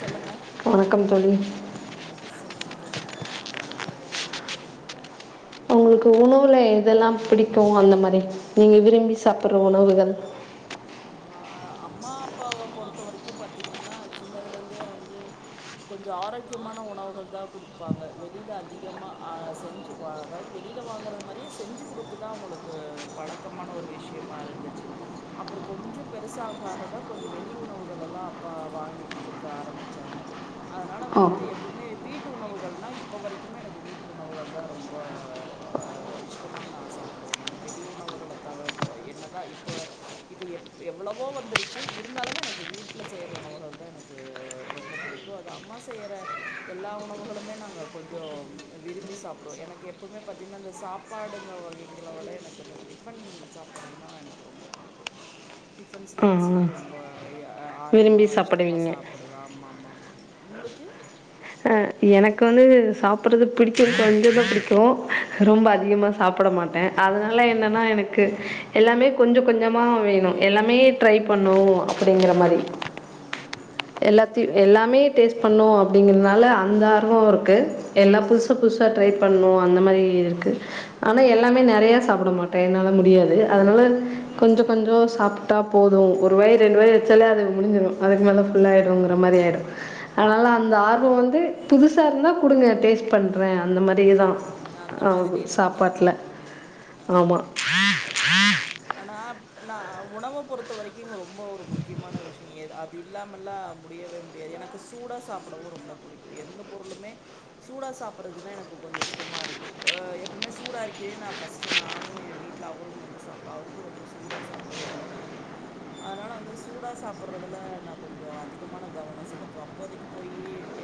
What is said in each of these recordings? சொல்லுங்க வணக்கம் தோழி சொல்லுங்க தோழி உங்களுக்கு உணவுல எதெல்லா பிடிக்கு அந்த மாரி நீங்க விரும்பி சாப்பர்ற உணவுகள் ஆஹா அம்மா அப்பாவ பொறுத்த வரைக்கு பாத்தீங்கன்னா சின்னதுலருந்தே வந்து கொஞ்சோ ஆரோக்கியமான உணவுகள் தா குடுப்பாங்க வெளியில அதிகமா ஆ செஞ்சு இப்ப அதாவது வெளியில வாங்கற மாரியே செஞ்சு குடுத்து தா அவுங்களுக்கு பழக்கமான ஒரு விஷ்யமா இருந்துச்சு அப்பறோ கொஞ்சோ பெ பெருசாகாக தா கொஞ்சோ வெளி உணவுகளெல்லா அப்பா வாங்கி குடுக்க ஆரம்பிச்சாங்க அதனால ஓ வந்துட்டு எப்பயுமே வீட்டு உணவுகள்னா இப்ப வரைக்கும்மே எனக்கு வீட்டு உணவுகள் தா ரொம் இப்ப ஆ ஆ இஷ்டமா ந சாப்புடவானுங்க வெளி உணவுகள தவர என்னதா இப்ப இப்ப எப் எவ்ளோவோ வந்துருச்சு இருந்தாலுமே எனக்கு வீட்ல செய்ற உணவுகள் தா எனக்கு ரொம்ப பிடிக் க்கு அது அம்மா செய்யற எல்லா உணவுகளுமே நாங்க கொஞ்சோ விரும்பி சாப்பிடுவோ எனக்கு எப்பவுமே பாத்தீங்கன்னா இந்த சாப் பாடுங்க வகைங்கள விட எனக்கு இந்த டிஃபன் சாப்பிட்றதுனா எனக்கு ரொம்ப புடிக்கு டிஃபன் ஸ்நாக்ஸ்னா ம், ரொம்ப எ அ விரும்பி ஆர்வமா இஷ்டமா சாப்பிடுவீங்க சாப்புட ஆமாமாமாங்க உங்களுக்கு அ எனக்கு வந்து சாப்புட்றது பிடிக்கு கொஞ்சமா பிடிக்கு ரொம்ப அதிகமா சாப்ட மாட்டே ட அதனால என்னன்னா எனக் க்கு எல்லாமே கொஞ்ச கொஞ்சமா வேணு எல்லாமே ட்ரை பண்ணு அப்படிங்கிற மாரி ம் அதா அதா எல்லாத்தையு அதாங்க எல்லாமே டேஸ்ட் பண்ணு அப்டிங்கறதுனால அந்த ஆர்வோ இருக்கு எல்லா புதுசு ம் புதுசா ட்ரை பண்ணு அந்த மாரி இருக்கு ஆனா எல்லாமே ம் நெறையா சாப்ட மாட்டே என்னால முடியாது நெறைய அதுனால சொன்ன அதா அதா கொஞ்ச கொஞ்சோ சாப் ட்டா போது ஒரு வாய் ரெண்டு வாய் வச்சாலே அது முடிஞ்சிரு அதுக்கு மேல ஃபுல்லாயிடுங்குற மாரி ஆயிடு அதனால அந்த ஆர்வோ வந்து புதுசா இருந்தா குடுங்க டேஸ்ட் பண்றே அந்த மாரியேதா ம் ஆது சாப்பாட்ல அந்தா அந்தா அந்தா அந்தானு ஆனா நா உணவ பொறுத்த வரைக்கு ரொம்ப ஒரு முக்கியமான விஷயோ எது அது அது இல்லாமல்லா முடியவே முடியாது எனக்கு சூடா சாப்புடவு ரொம்ப புடிக்கு எந்த பொருளுமே சூடா சாப்புடுறதுகுன்னா எனக் ப்போ கொஞ்ச இஷ்டமா இருக்கு அ எப்பமே சூடா இருக்கயிலே நா ஃபர்ஸ்ட்டு நானு ஏ வீட்ல அவரும் வந்து சாப் ட்டு அவருக்கு ரொம்ப சூடா சாப்புட்றது ரொம்ப புடிக்கு அதுனால வந்து சூடா சாப்புட்றதுல நா கொஞ்சோ அதிகமான கவனோ செலுத்துவே அப் இப்போதைக்கு போயி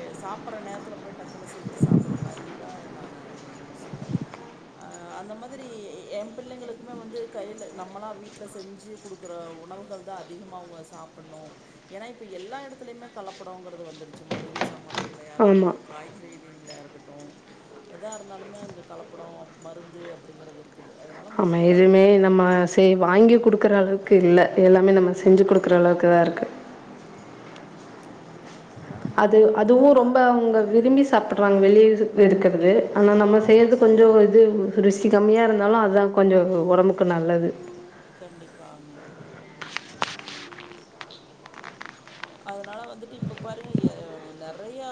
எ சாப்புட்ற நேரத்துல போய்டு டக்குனு செஞ்சு சாப்புட்ற மாரி இருக் குதா நானு யோசிப்பே ஆ அந்த மாதிரி ஏ பிள்ளைங்களுக்குமே வந்து கையில நம்மளா வீட்ல செஞ்சு குடுக்குற உணவுகள் தான் அதிகமா அவுங்க சாப்புட்ணு ஏன்னா இப்ப எல்லா எடத்துலயுமே கலப்படோங்குறது வந்துருச்சு மளிகை சாமானாவு களையா இருக்கட்டு ஆமாம் காய்கறிங்களையா இருக்கட்டு எதா இருந்தாலுமே அந்த கலப்படோ மருந்து அப்டிங்கிறது இருக்கு க்குது அதுனால ஆமா எதுவுமே நம்ம சே வாங்கி ம், குடுக்குற அளவுக் க்கு இல்ல எல்லாமே நம்ம செஞ்சு குடுக்குற அளவுக்கு தா இருக்கு அதனால் அது முடிஞ்ச அளவுக்கு அதுவு அதான் ரொம்ப அவுங்க ம், விரும்பி சாப்புட்றாங்க வெளியே சத்து இருக்குறது ஆனா நம்ம செய்றது ஆமாங்க கொஞ்சோ இது ருசி கம்மியா இருந்தாலு அதுதா கொஞ்சோ ஒடம்புக்கு நல்லது கண்டிப்பாங்க ம் அதுனால வந்துட்டு இப்ப பாருங்க எ அ நெறையா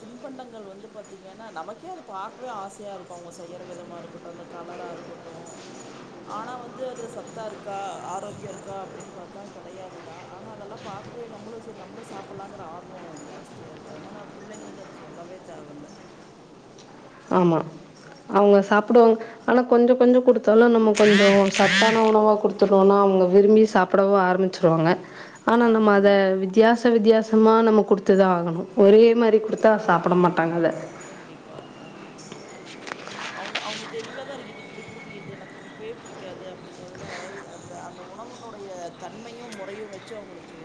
தின்பண்டங்கள் வந்து பாத்தீங்கென்னா நமக்கே கே அது பாக்கவே ஆசையாருக்கு அவுங்க செய்யற விதமா இருக்கட்டு அந்த கலராக இருக்கட்டு ஆனா வந்து அதுல சத்தா இருக்கா ஆரோக்கியோ இருக்கா அப்டின்னு பாத்தா கெடையாது தா ஆனா அதெல்லா பாக் போய் நம்மளு செரி நம்மளு சாப்புட்லாங்குற ஆர்வோ ஜாஸ்தியா இருக்கு அதுனால பிள்ளைங்களுக்கு அது சொல்லவே தேவல்ல ஆமா அவங்க சாப்புடுவாங்க ஆனா கொஞ்சோ கொஞ்சோ குடுத்தாலு நம்ம கொஞ்சோ சத்தான உணவா குடுத்துட்றோனா அவுங்க விரும்பி சாப்புடவு ஆரமிச்சு ருவாங்க ஆனா நம்ம அத ஆமாங்க வித்தியாச வித்தியாசமா நம்ம குடுத் துதா ஆகணு ஒரே மாரி குடுத்தா ஆமா, சாப்ட மாட்டாங்க ஆமாங்க. அத கண்டிப்பா ஆ ம் அவுங்க அவுங்க தெளிவா தா இருக்கு இது இப்புடி குடுக்கு இது எனக்கு புடிக்கவே புடிக்காது அப்டிங்கிறதுல எ அந் த அந்த உணவுனுடைய தன்மையு முறையு வச்சு அவுங்களுக்கு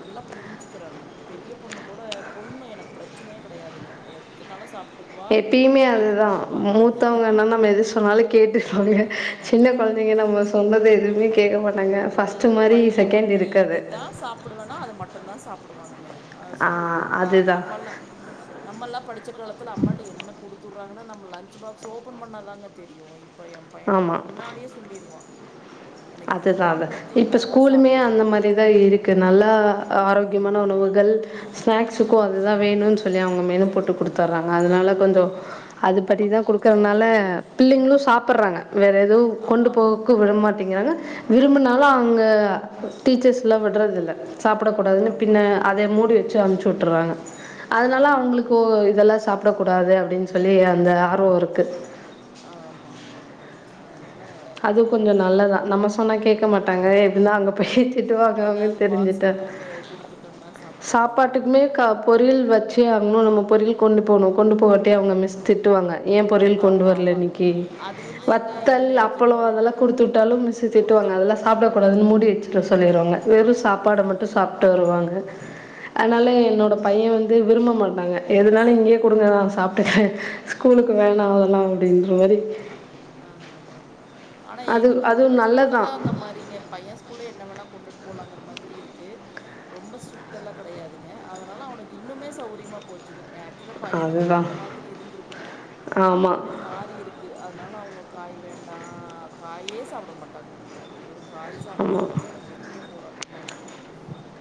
நல்லா புரிஞ்சுக்கிறாங்க பெரிய பொண்ணுக்கூட பொண்ணு எனக்கு ப்ரச்சனையே கெடையாதுங்க எத்தனாலு சாப்ட்டுக் எப்பையுமே அதுதா மூத் த்தவங்கனா நம்ம எது சொன்னாலு கேட்டுவாங்க ஆ. சின்ன கொழந்தைங்க நம்ம சொன்னத எதுவுமே கேக்க மாட் டாங்க இல்லைங்க ஃபஸ்ட்டு மாரி செகண்ட் இருக்காது புடுவானா அது மட்டுந்தா சாப்புடுவானுங்க ஆ நா நம்மல்லா நம்மல்லா படிச்ச காலத்துல அம்மாட்ட என்ன குடுத்துவுட்றாங்கன்னா நம்ம லஞ்ச் பாக்ஸ் ஓப்பன் பண்ணாதாங்க தெரியு இப் இப்ப ஏ பையன்லா ஆமா முன்னாடியே சொல்லிருவா அதுதா அது இப்ப தான் ஸ்கூலுமே அந்த சாப்பிடுவேன் மாரி தா இருக்கு நல்லா ஆரோக்கியமா ன்ன ம் உணவுகள் ஸ்நாக்ஸுக்கு அதுதா ம் வேணுன்னு சொல்லி அவுங்க மெனு போட்டு கண்டிப்பாங்க குடுத்துறாங்க அதுனால கொஞ்சோ அதுப்படி நமக்கு தா கொஞ்சம் குடுக்கறனால தொந்தரவு இல்லை பிள்ளைங்களு சாப் உட்டுறாங்க வேற எதோ கொண்டு ஆமாம் ஆமாங்க போகக்கு விடமாட்டேங்கிறாங்க விரும்புனாலு அங்க டீச்சர்ஸ்லா விடுறதில்ல சாப்பிடக்கூடாதுன்னு பின்ன ஆமாம் அத மூடி ம் வெச்சு அம்ச்சு விட்டுருறாங்க அதனால ஆமாம் அவங்களுக்கு ஓ இதெல்லா சாப்புட கூடாது அப்டின்னு சொல்லி அந்த ஆர்வோ இருக்கு ஆ ஆமா ஆமா ஆமாங்க அதனால அது என்ன கொஞ்சோ பொறுத்த நல்லதா வரைக்கோ நம்ம சொன்னா கேட்க மாட்டாங்க எப்டின்னா ம் அங்க போய் திட்டுவாங்க அவங்கன்னு எதாவது தெரிஞ்சுட்டா பாக்ஸ்ல போட்டு குடுத்துட்டோம்னா சாப்ட்டுக்குவாங்க சாப்பாட்டுக்குமே ஆமாமா க ஆம் பொரியல் வெச்சே ஆகணோ நம்ம பொரியல் கொண்டு போணோ கொண்டு போகாட்டி அவுங்க மிஸ் திட்டுவாங்க ஏ பொரியல் கொண்டு ஆமா வர்ல ஆமாங்க இன்னிக்கு அது வந்துங்க வத்தல் இதுல அப் எனக்கு கொழம்பு இன்னொரு என்ன அதெல்லா குடுத்து விட்டாலு மிஸு திட்டுவாங்க குடுத்துடு அதெல்லா சாப்புடக்கூடாதுன்னு மூடி வெச்சிட ம் சொல்லிடுவாங்க வெறு கண்டிப்பா சாப்பாட ஆ மட்டு சாப் ட்டு வருவாங்க அதனால அதா அதா என்னோட அதா அதா பைய வந் இது விரும்ப மாட்டாங்க எதுனாலு இங்கேயே குடுங்க நா சாப்ட்டுகிறே ஸ்கூல்க்கு வேணா அதெல்லா ன்று வரை அதா அதா அதா ஆனா அது எங்க அதுவு பொண்ணு நல்லதா ஸ்கூல்லதா அந்த மாரிங்க பைய ஸ்கூல்ல என்ன வேணா கொண்டுட்டு போலாங்குற மாரி இருக்கு ரொம்ப ஸ்ட்ரிக்டெல்லா கெடையாதுங்க அதனால அவனுக்கு இன்னுமே சௌரியமா போச்சுங்க எ ஆக்சுவலா பையனுக்குதா அதுதா அந்த மாதிரி இருந்தருக்கணு அது ஆமா அப்டியே மாறி இருக்கு க்கு அதனால அவுங்க காய் வேண்டா காயே சாப்ட மாட்டாங்க ஐயோ காய் சாப்ட ஆமா வெக்கறக்குள்ள எனக்கு பெரிய போராட்டமா இருக்கோ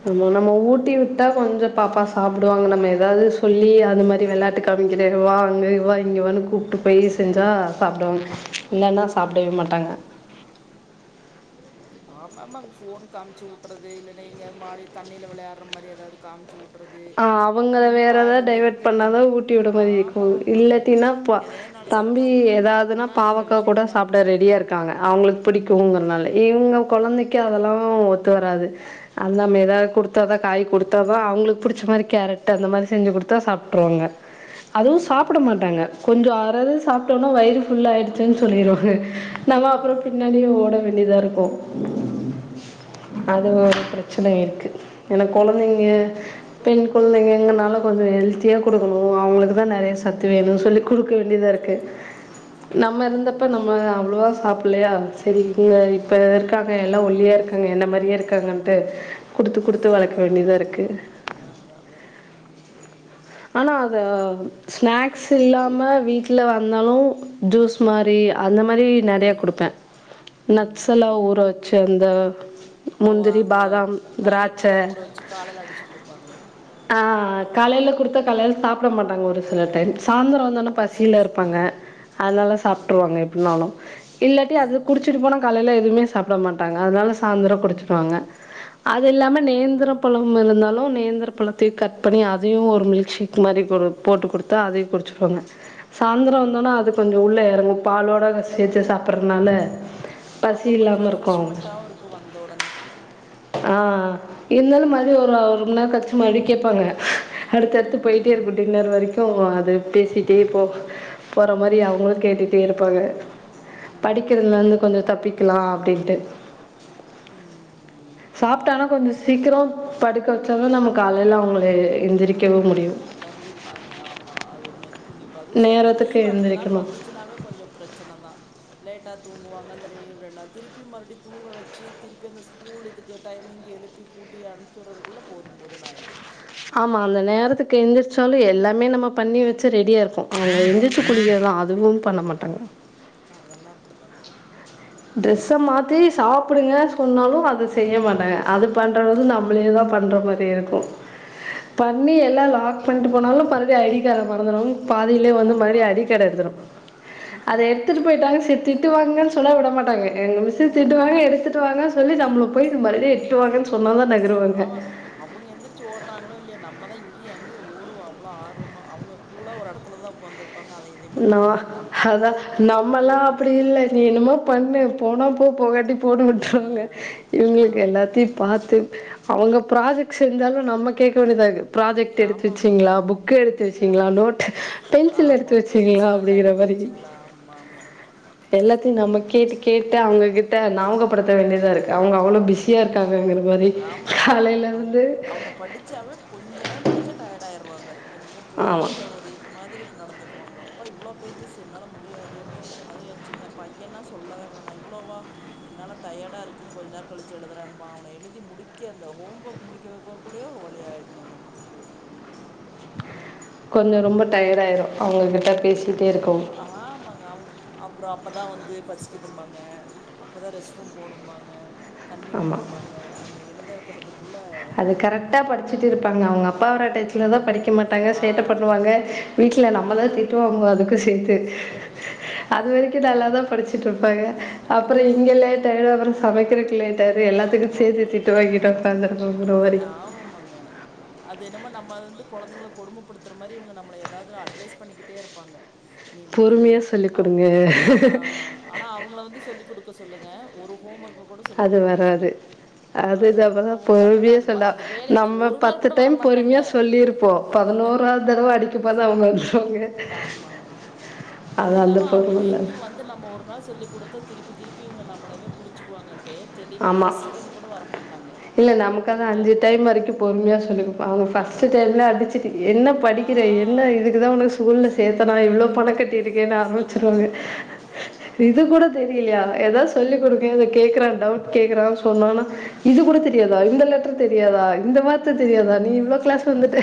ஆமா நம்ம ஊட்டி விட்டா கொஞ்சோ பாப்பா சாப்புடுவாங்க நம்ம எதாவது சொல்லி அந்த மாதிரி ம். வெளையாட்டு காமிக்கிற இங்க வா அங்க வா ம். இங்க வானு கூப்ட்டு போயி செஞ்சா சாப்டுவாங்க இல்லன்னா சாப்டவே மாட்டாங்க ஆமாமாங்க ஃபோன் காம்ச்சு ஊட்றது இல்ல நீங்க மாடி தண்ணில வெளையாடுற மாதிரி எதாவது காம்ச்சி ஊட் ஆ அவங்கள வேற எதாவ டைவர்ட் இருந்து கொஞ்ச பண்ணாதா ஊட்டி விட மாரி இருக்கோ ஆமா ஆமாங்க இல்லாட்டினா இப்ப எதையாவது நாலு சத்தா தம்பி உள்ள ஏதாவதுன்னா போணுன்னா சில பாவக்கா கூட விஷயங்கள் நம்ம சாப்ட ரெடியா பண்ணிதான ஆகணும் இருக்காங்க அவங்களுக் பிடிக்குங்கிறதுனால இவங்க கொழந்தைக்கு அதெல்லா ஒத்து வராது அது நம்ம எதாவது குடுத்தாதா காய் குடுத்தாதா அவுங்களுக்கு புடிச் ச மாரி கேரட்டு அந்த மாதிரி செஞ்சு குடுத்தா சாப்ட்ருவாங்க அதுவு சாப்புட ஆமாங்க மாட்டாங்க கொஞ்சோ அற இது சாப்ட்டோனா வயிறு ஃபுல்லாகிடுச்சுன்னு சொல்லிடுவாங்க நம்ம அப்புறோ ம் பின்னாடியே ஓட வேண்டியதா இருக்கோ ஆமாமாங்க அது ஒரு பிரச்சன இருக்கு ஏன்னா கொழந்தைங்க பெண் கொழந்தைங்க எங்கனால கொஞ்சோ ஹெல்த்தியா குடுக்கணு அவுங்குளுக்குதா நறைய சத்து ம் வேணு சொல்லி குடுக்க வேண்டியதா இருக்கு நம்ம இருந்தப்ப நம்ம அவ்ளோவா சாப்புடலையா சரி போங்க இப்ப இரு க்காங்க எல்லா ஒல்லியா பிள்ள இருக்காங்க என்ன மாரியே இருக்காங்கன்ட்டு குடுத்து குடுத்து வளக்க வேண்டியதா இருக்கு ஆ வ வ னும் ஆனா அத ஸ்நாக்ஸ் இல்லாம வீட்ல வந்தாலு ஜூஸ் மாரி அந்த மாரி நறைய ம் ம் குடுப்ப நட்ஸெல்லா ம் ஊற வெச்சு அந்த அவ்வோ முந்திரி அந்த பாதாம் திராட்சை நைட்ல ஊற வெச்சு காலையில அடிச்சு குடுப்பாங்களே அ காலையில குடுத்தா காலையில சாப்புட மாட்டாங்க ஒரு சில டைம் சாயந்திரோ வந்தவொன்னே ஓ சரி பசியில சரி இருப்பாங்க அதனால ம் சாப்ட்ருவாங்க எப்புடின்னாலோ இல்லாட்டி அது அதா அதா குடிச்சிட்டு போனா காலையில எதுவுமே சாப்புட மாட்டாங்க அதனால சாய்ந்தரோ ம் குடிச்சுடுவாங்க அது இல்லாம நேந்திர பழம் இருந்தாலு நேந்திர பழத் சுத்தி கட் பண்ணி அதையு ஒரு மில்க் ஷேக் மாரி போட்டு குடுத்தா அதையு குடிச்சுடுவாங்க சாய்ந்திரோ வந்தோனா அது கொஞ்சோ உள்ள எறங்கோ பாலோட சேத்து சாப்படுறதுனால அவ்ங்களுக்கு கொஞ்ச ரெஃப்ரெஷ்மெண்ட்டாவு இருக்கு வந்த ஒடனே ஆ இருந்தாலு மறுபடியு ஒரு ஒரு மண் நேர கழிச்சு மறுபடியு கேப்பாங்க அடுத்தடுத் போய்ட்டே ம் இருக்கு டின்னர் வரைக்கு அத பேசிட்டே போ போற மாரி அவ்ங்களுக் கேட்டுட்டே இருப்பாங்க ம் படிக்கிறதுல இருந்து கொஞ்ச தப்பிக்கலா அப்டின்ட்டு ம் அதா அதா சாப்ட்டானா அதா கொஞ்ச அதா சீக்கிரோ படுக்க வச்சா தா நம்ம காலைல அவ்ங்கள எந்திரிக்கவே முடியு கண்டிப்பாங்க ஆமா அது ஒன்னு ‌இருக்கு இங்க பதுசு அந்த நேரத்துக்கு லீவ் அடுத்த நாள் எந்திரிக்கணும் வந்துச்சுனாவே கொஞ்ச பிரச்சன தா லேட்டா தூங்குவாங்க அந்த லீவ் ரெண்டு நாள் திருப்பி மறுப்டி தூங்க வச்சு திருப்பி அந்தஸ் ஸ்கூல் இதுக்கு டைமிங்க்கு எழுப்பி கூட்டி அனுப்ச்சுட்றதுக்குள்ள போது போதுன் ஆயிடு ஆமா அந்த நேரத்துக்கு எந்திரிச்சாலு எல்லாமே நம்ம பண்ணி வெச்சு ரெடியா இருக்கு ஆ எந்திரிச்சு ஆமா குளிய தா அதுவு பண்ண கண்டிப்பா மாட்டாங்க அதெல்லா அப்டிதாங்க ஆ ட்ரெஸ்ஸ மாத்தி சாப்டுங்க சொன்னாலு அத செய்ய மாட்டாங்க அது பண்றது வந்து நம்மளே தா பண்ற மா ரி இருக்கு பண்ணி எல்லா லாக் பண்ணிட்டு போனாலு பருதி ஐ டி அத மறந்துரு பாதிலயே ஆ வந்து ஆமா மறுபடியு அடிக்டட் எடுத்துரு அத எடுத் துட்டு போயிட்டாங்க செரி திட்டுவாங்கன் சொன்னா விட மாட்டாங்க எங்க‌ மிஸ்ஸு ம் திட்டுவாங்க எடுத்துட்டு வாங்கன் சொல்லி நம்மள போய் மறுபடியு எட்டுவாங்க ஆ ஆனா அவுங்க எந்திரிச்சு ஓட்றாங்களோ இல்லையோ நம்ம தா இங்கயு அங்கயு ஓடுவோ அவ்ளோ ஆர்வமா அவ்ங்க கூலா ஒரு எடத்துல தா ஒக்காந்துருப் நா அதா நம்மலா ஓடுவோம் அப்டி இல்ல நீ என்னமோ பண்ணு போனா போ போகாட்டி போனு ஆ விட்ருவாங்க இவ்ங்களுக்கு ஆமாம்மா எல்லாத்தையு பாத்து அவ்ங்க ப்ராஜெக்ட் செஞ்சாலு நம்ம கேக்க வேண்டியதா இருக்கு ப்ராஜெக்ட் எடுத்து ஆமாம்மா வெச்சிங்ளா புக் எடுத்து வெச்சிங்ளா நோட்டு பென்சில் எடுத்து வெச்சி ன்சிலெல்லா எடுத்து வெச்சிஙளா ஆமாம்மாம்மாம்மா த்தயு நம்ம கேட்டு கேட்டு அவ்ங்ககிட்ட நாபகப்படுத்த வேண்டியதா இருக்கு அவ்ங்க அவ்ளோ ஆ பிஸியா இருக்காங்கங்கிற மாரி ஆமாங்க காலைல அவுங் இருந்து அவுங்க படிச்சாவே கொஞ்ச நேர படிச்சா டயர்ட் ஆயிருவாங்க என்னமோ பெரிய ஆமா ஒரு இது மாதிரி நடந்துக்குவாங்க அப்பா இவ்வளோ பேஜஸ் என்னால முடியாது அதுவு எ சின்ன பையனா சொல்லவே வேணா இவ்ளோவா என்னால டயர்டா இருக்கு கொஞ்ச நேர கழிச்சு எழுதுறன்பா அவன எழுதி முடிக்க இந்த ஹோம் ஒர்க் முடிக்க வெக்கற்க்குள்ளயு ஒரு வழி ஆய்ட்ணு நம்ம கொஞ்ச ரொம்ப டயர்ட் ஆயிரு அவ்ங்களுக் கிட்ட பேசிட்டே இருக்கவு ஆமாங்க அவ்ங்க அப்றோ அப்பதா வந்து பசிக்குன்பாங்க அப்ப தா ரெஸ்ட் ரூம் போணும்பாங்க தண்ணி ஆமா வேணும்பாங்க அந்த எழுத வெக்கிறதுக்குள்ள அது கரெக்ட படிச்சுட்டு இருப்பாங்க அவ்ங்க அப்பா வர டயத்துல தா ஆமா படிக்க மாட்டாங்க ஆ சேட்ட பண்ணுவாங்க கரெக்ட்டு கரெக்ட்டுங்க வீட்ல ஆ நம்ம தா திட்டுவாங்குவோ அதுக்கு சேத்து அது வரைக்கு நல்லா தா ஆமா படிச்சுட்ருப்பாங்க அப்றோ இங்க ஆமா லேட்டாயிரு அப்றோ சமைக்கிறதுக்குல்லையு செரி எல்லாத்துக்கு சேத்து திட்டு வாங்கிட்டு ஒக்காந்துரு ஆமா ஆமாங்க அது என்னமோ நம்ம வந்து கொழந்தைங்கள கொடுமப்படுத்துற மாரி இவ்ங்க நம்மள எதாவ்து அட்வைஸ் பண்ணிக்கிட்டே இருப்பாங்க நீ விட்ரு பொறுமையாக சொல்லிக் அவ்ங்க கொடுங்க ஆ ஆனா அவ்ங்கள வந்து சொல்லிக் குடுக்க சொல்லுங்க ஒரு ஹோம் ஒர்க் அது வராது அது இது அப்பதா குடுக்கவும் மாட்டாங்க. பொறுமையே அது வ சொல்ல அந்த வேலைக்கு நம்ம ஒரு நாள் பத்து கூட டைம் பொறுமையா வரமாட்டாங்க. சொல்லிருப்போ பதினோராவ்து தடவ அடிக் க்க போனா அவ்ங்க [unintelligible] ஆமாங்க. அது இல்லாம அவுங்க எங்க வந் வந்து நம்ம ஒரு நாள் சொல்லி கொடுத்தா திருப்பி திருப்பி இவங்க நம்மளவே புடிச்சிக்குவாங்கன்ட்டு தெளிவா ஆமாம் ஃபஸ்டு டைம் கூட வரமாட்டாங்க இல்ல நமக்காது தெளிவா இருப்பாங்க. அஞ்சுடைம் வரைக்கு பொறுமையா சொல்லிருப்போ அவங்க ஃபர்ஸ்ட் ஆமா. டைம்ல அடிச்சிட்டு என்னப் ஆ. படிக்கிற என்ன இதுக்குதா உனக்கு ஸ்கூல்ல சேத்தனா இவ்ளோ பண கட்டியிருக்கேனு ஆரமிச்சிருவாங்க ஆ. இது கூட தெரியலையா ஏதாது சொல்லி கொடுங்க ம். இத கேக்குறா டவுட் கேக்குறா சொன்னானா அஹ. இது கூட ம். தெரியாதா இந்தள ட்டர் தெரியாதா இந்த வார்த்த தெரியாதா நீ இவ்ளோ கிளாஸ் வந்துட்ட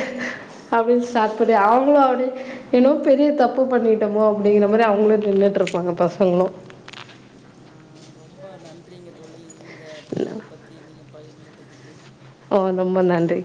அப்டினு ஸ்டார்ட் பண்ணி அவங்களு அப்டி என்னோ பெரிய தப்பு பண்ணிட்டமோ அப்டிங்கிற மாரி அவங் அவங்களு நின்னுட்ருப்பாங்க பசங்களு ரொம்ப நன்றிங்க தோழி இந்த இத பத்தி நீங்க பகிர்ந்துட்டதுகு ஓ ரொம்ப நன்றி